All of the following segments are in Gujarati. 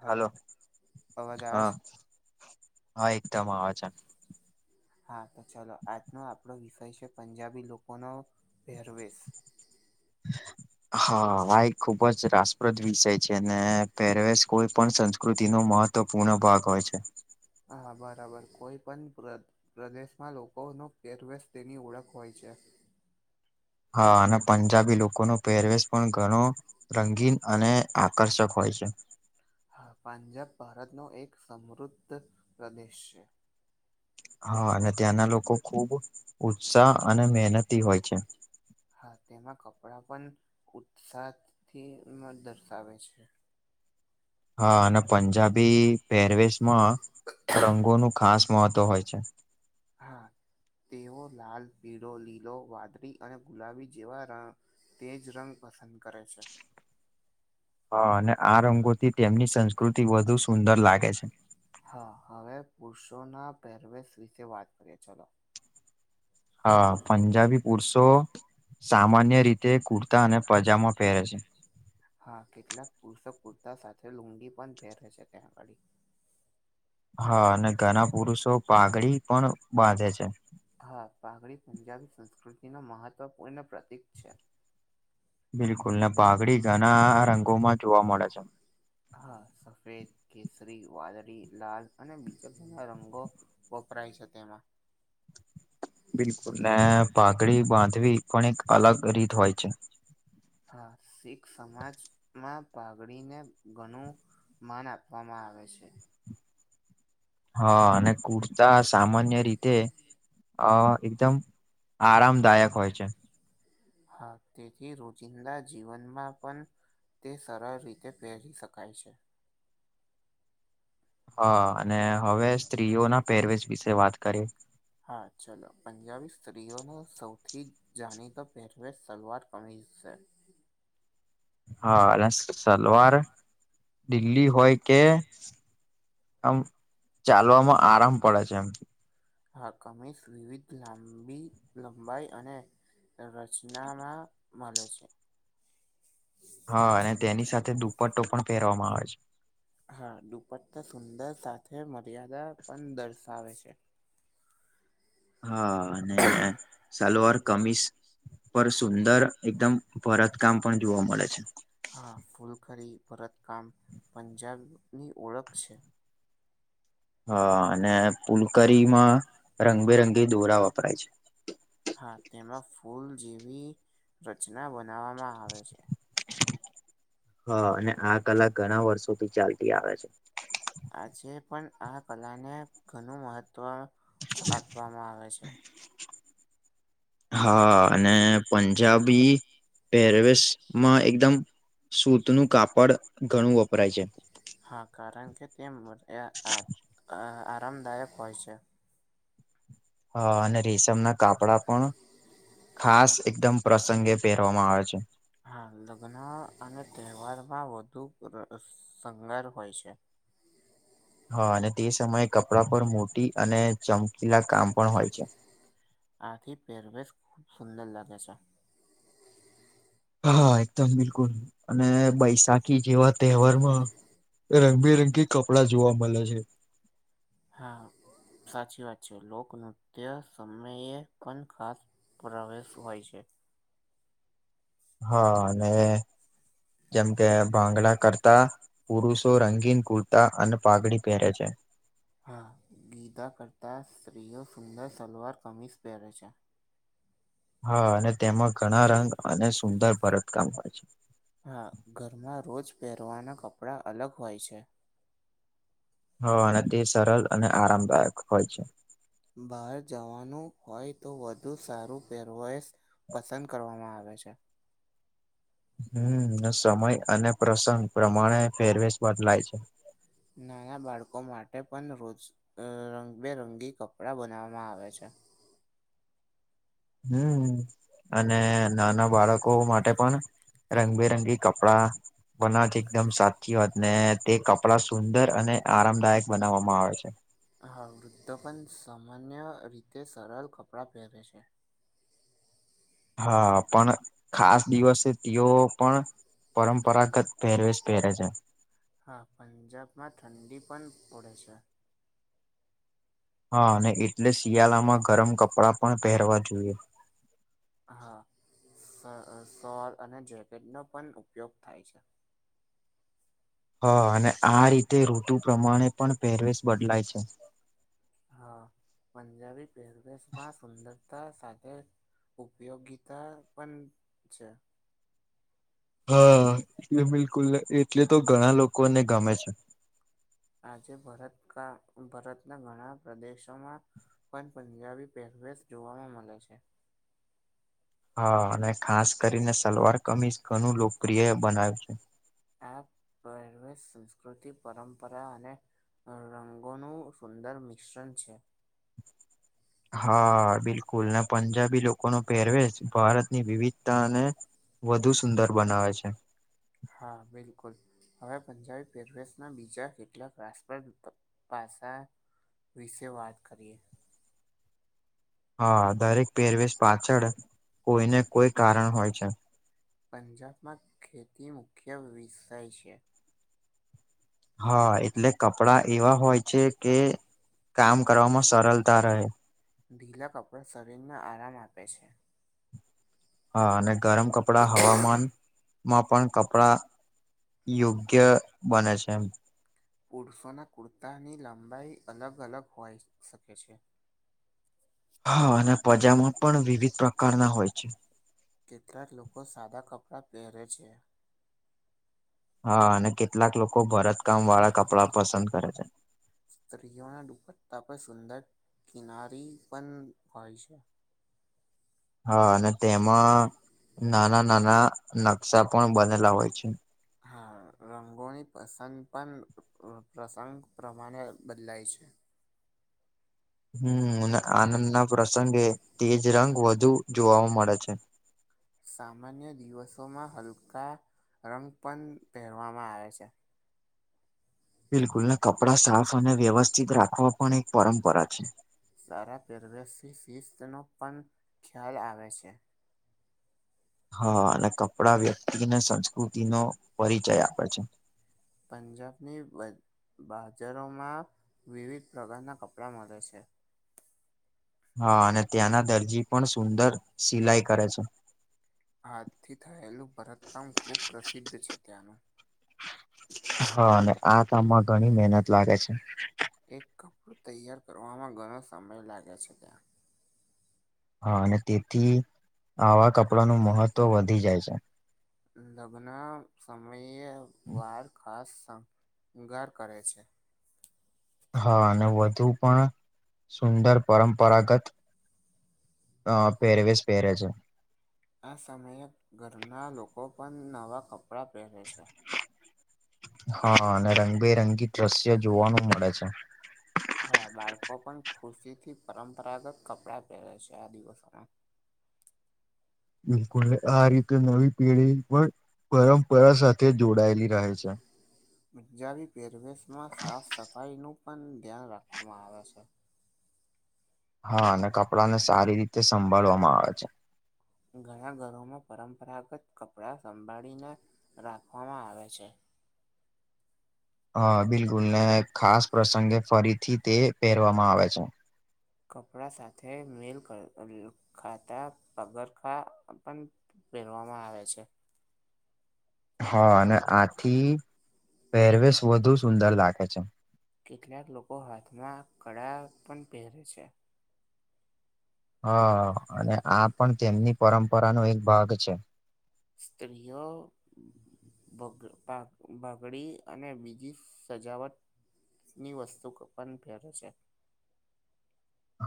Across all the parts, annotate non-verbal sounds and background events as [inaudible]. હલો અવાજ આવે હા છ. હા એકદમ આવે છે. હા તો ચલો આજનો આપણો વિષય છે પંજાબી લોકોનો પહેરવેશ. [inaudible] હા આ એક ખુબ જ રાસપ્રદ વિષય છે અને પેહરવેેશ કોઈ પણ સંસ્કૃતિ નો મહ ત્વ પુર્ણ ભાગ હોય છે. હા બરાબર કોઈ પણ પ્ર પ્રદેશમાં લોકોનો પેરવેશ તેની ઓળખ હોય છે. હા અને પંજાબી લોકોનો પહેરવેશ પણ ઘણો રંગીન અને આકર્ષક હોય છે. હા પંજાબ ભારતનો એક સમૃદ્ધ પ્રદેશ છે. હા અને ત્યાંના લોકો ખુબ ઉત્સાહ અને મહેનતી હોય છે. હા તેમાં કપડા પન ઉત્સાહથી ન દર્શાવે છે હા અન પંજાબી પહેરવેશમાં રંગોનું ખાસ મહત્વ હોય છે. હા તેઓ લાલ, પીળો, લીલો, વાદળી અને ગુલાબી જેવા ર તેજ રંગ પસંદ કરે છે. હા અને આ રંગોથી તેમની સંસ્કૃતિ વધુ સુંદર લાગે છે હા હવે પુરુષો ના પહેરવેશ વિશે વાત કરીએ ચલો. હા પંજાબી પુરુષો સામાન્ય રીતે કુર્તા અને પજામા પહેરે છે. હા કેટલાક પુરષક કુર્તા સાથે લુંગી પન પેરે છે ત્યાં આગાળી. હા અને ઘના પુરુષો પાઘડી પણ બાંધે છે. હા પાઘડી પંજાબી સંસ્કૃતિ ન મહત્વપૂર્ણ પ્રતિક છે. બિલકુલ ને પાઘડી ઘણા રંગોમાં જોવા મળે છે. હા સફેદ, કેસરી, વાદળી, લાલ અને બીજા ઘણા રંગો વપરાય છે તેમાં. બિલકુલ ને પાઘડી બાંધવી પણ એક અલગ રીત હોય છે. હા શીખ સમાજમાં પાાગડીને ઘનું માન આપવામાં આવે છે. હા અને કુર્તા સામાન્ય રીતે અ એકદમ આરામદાયક હોય છે. હા તેથી રોજિંદા જીવનમાં પન તે સરળ રીતે પહેરી શકાય છે. હા અને હવે સ્ત્રીઓ ના પેરવેજ વિશે વાત કરીએ હા ચલો પંજાબી સ્ત્રીઓનો સૌથી જાણીતા પહેરવેેશ સલવાર કમીશ છે હા અને સલવાર દિલ્લી હોય કે આમ ચાલવામાં ચાલવા પણ આરામ પડે છે એમ પણ હા કમીસ વિવિધ લાંબી લંબાઈ અને તે રચનામાં મળે છે હા અને તેની સાથે દુપટ્ટો પણ પહેરવામાં આવે છે હા દુપટા સુંદર સાથે મર્યાદા પણ દર્શાવે છે હા અને સલવાર કમીસ પર સુંદર એકદમ ભરત કામ પણ જોવા મળે છે હા ફૂલકરી ભરતકામ પંજાબની ઓળખ છે હા અને પુલકરીમાં રંગબેરંગી દોરા વપરાય છે હા તેમાં ફૂલ જેવી રચના બનાવામાં આવે છે હા અને આ કલા ઘણા વર્ષોથી ચાલતી આવે છે આજે પણ આ કલાને ઘણું મહત્વ આપવામાં આવે છે હા અને પંજાબી પહેરવેશ માં એકદમ સૂત નું કાપડ ઘણું વપ હા કારણ કે તે અ આરામદાયક હોય છે હ અને રેશમના કાપડા પણ ખાસ એકદમ પ્રસંગે પહેરવામાં આવે છે હા લગ્ન અને તહેવારમાં વધુ શંગાર હોય છે હા અને તે સમયે કપડા પર મોટી અને ચમકેલા કામ પણ હોય છે આથી પેરવેશ ખુબ સુંદર લાગે છે હા હા એકદમ બિલકુલ અને બૈશાખી જેવા તહેવારમાં રંગબેરંગી કપડાં જોવા મળે છે હા સાચી વાત છે લોકનૃત્ય સમયે પણ ખાસ પુરાવેશ હોય છે હા અને જેમ કે ભાંગડા કરતા પુરુષો રંગીન કુર્તા અને પાગડી પહેરે છે હા ગીતા કરતા સ્ત્રીઓ સુંદર સલવાર કમીઝ પહેરે છે. હા અને તેમાં ઘણા રંગ અને સુંદર ભરતકામ હોય છે. હા ઘરમાં રોજ પહેરવાના કપડાં અલગ હોય છે હ અને તે સરળ અને આરામદાયક હોય છે. બહાર જવાનું હોય તો વધુ સારું પેરવેશ પસંદ કરવામાં આવે છે. હમ ને સમય અને પ્રસંગ પ્રમાણે ફેરવેશ બદલાય છે. નાના બાળકો માટે પણ રોજ રંગબેરંગી કપડાં બનાવામાં આવે છે. હમ અને નાના બાળકો માટે પણ રંગબેરંગી કપડા બનાવાથી એકદમ સાચી વાત ને તે કપડા સુંદર અને આરામદાયક બનાવામાં આવે છે. હા વૃદ્દો પણ સામાન્ય રીતે સરળ કપડાં પહેરે છે. હા પણ ખાસ દિવસે તીઓ પણ પરંપરાગત પહેરવેશ પહેરે છે. હા પંજાબમાં ઠંડી પણ પડે છે. હા અને એટલે શિયાળામાં ગરમ કપડાં પણ પહેરવા જોએ. હા સ સોલ અને જેકેટનો પણ ઉપયોગ થાય છે. હ અને આ રીતે ઋતુ પ્રમાણે પણ પહેરવેશ બદલાય છે. હ પંજાબી પહેરવેશમાં સુંદ તા સાથે ઉપયોગીતા પન છે. હા એટલે બિલકુલ એટલે તો ઘણા લોકોને ગમે છે. આજે ભરત કા ભરતના ઘણા પ્રદેશોમાં પન પંજાબી પહેરવેશ જોવામાં મલે છે. હા અને ખાસ કરીને સલવાર કમીજ ઘણું લોકપ્રિય બનાવ છે. આ પહેરવેશ સંસ્કૃતિ પરંપરા અને રંગોનું સુંદર મિશ્રણ છે. હા બિલકુલ ને પંજાબી લોકોનુ પહેરવેશ ભારતની વિવિધતા અને વધુ સુંદર બનાવે છે. હા બિલકુલ હવે પંજાબી પહેરવેશના બીજા કેટલાક રાષ્ટ્રપરદ પાસા વિશે વાત કરીએ. હ દરેક પેરવેશ પાછળ કોઈને કોઈ કારણ હોય છે. પંજાબમાં ખેતી મુખ્ય વિષય છે. હ એટલે કપડા એવા હોય છે, કે કામ કરવામાં સરલતા રહે ઢીલા કપડા શરીરને આરામ આપે છે. હ અને ગરમ કપડા હવામાન માં પણ કપડા યોગ્ય બને છે, એમ પુરુષોના કુર્તાની લંબાઈ અલગ અલગ હોઈ શકે છે. હા અને પજામા પણ વિવિધ પ્રકારના હોય છે. કેટલાક લોકો સાદા કપડાં પહેરે છે. હા અને કેટલાક લોકો ભરતકામ વાળા કપડાં પસંદ કરે છે. સ્ત્રીઓના દુપટ્ટા પર સુંદર કિનારી પન હોય છે. હ અને તેમાં નાના નાના નકશા પણ બનેલા હોય છે. હા રંગોની પસંદ પણ પ્રસંગ પ્રમાણે બદલાય છે. હમ આનંદના પ્રસંગે તેજ રંગ વધુ જોવા મળે છે. સામાન્ય દિવસોમાં હલકા રંગ પન પહેરવામાં આવે છે. બિલકુલ ને કપડા સાફ અને વ્યવસ્થિત રાખવા પણ એક પરંપરા છે. સારા પેરવેસી શિસ્તનો પણ ખ્યાલ આવે છે. હ અને કપડા વ્યક્તિને સંસ્કૃતિનો પરિચય આપે છે. પંજાબની બ બાજારોમાં વિવિધ પ્રકારનાં કપડાં મલે છે. હા અને ત્યાંના દરજી પણ સુંદર સિલાઈ કરે છે. હાથથી થયેલું ભરતકામ ખૂબ પ્રસિદ્ધ છે, ત્યાંનું હા અને આ કામમાં ઘણી મહેનત લાગે છે. એક કપડું તૈયાર કરવામાં ઘણો સમય લાગે છે, ત્યાં હ અને તેથી આવા કપડાનું મહત્વ વધી જાય છે. લગ્ન સમયે વાર ખાસ શંગાર કરે છે. હ અને વધુ પણ સુંદર પરંપરાગત અ પેરવેસ પેરે છે. આ સમયે ઘરના લોકો પન નવા કપડાં પહેરે છે. હ અને રંગબેરંગી દ્રશ્ય જોવાનું મળે છે. હા, બાળકો પણ ખુશી થી પરંપરાગત કપડા પહેરે છે, આ દિવસોમાં. બિલકુલ, આ રીતે નવી પેઢી પણ પરંપરા સાથે જોડાયેલી રહે છે. ઉજ પરવેશમાં સાફ સફાઈ નું પણ ધ્યાન રાખવામાં આવે છે. હા, અને કપડાને સારી રીતે સંભાળવામાં આવે છે. ઘણા ઘરોમાં પરંપરાગત કપડાં સંભાળીને રાખવામાં આવે છે. હ, બિલકુલ ને, ખાસ પ્રસંગે ફરીથી તે પહેરવામાં આવે છે. કપડા સાથે મિલ ખાતા પગરખા પણ પહેરવામાં આવે છે. હા, અને આથી પહેરવેશ વધુ સુંદર રાખે છે. કેટલાક લોકો હાથમાં કળા પણ પહેરે છે. હ, અને આ પણ તેમની પરંપરા નો એક ભાગ છે. સ્ત્રીયો. બગડી, અને બીજી સજાવટ ની વસ્તુ પણ પેરે છે.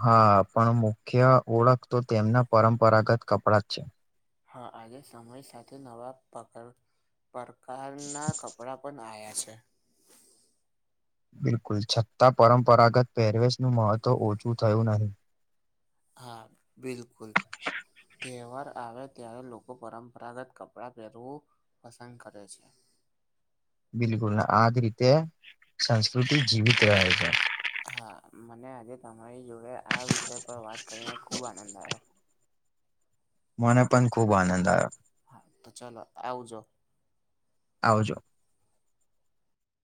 હા, પણ મુખ્ય ઓળખ તો તેમના પરંપરાગત કપડા જ છે. હા, આજે સમય સાથે નવા પક પ્રકારના કપડા પણ આવ્યા છે. બિલકુલ, છતાં પરંપરાગત પહેરવેશનું મહત્વ ઓછું થયું નહી. હા, બિલકુલ તહેવાર આવ્યા‌. ત્યારે લોકો પરંપરાગત કપડાં પહેરવું પસંદ કરે છે. બિલકુલ, આજ રીતે સંસ્કૃતિ જીવિત રહે છે. હા, મને આજે તમારી જોડે આ વિષય પર વાત કરીને ખૂબ આનંદ આવ્યો. મને પણ ખૂબ આનંદ આવ્યો. હા, તો ચાલ આવજો. આવજો.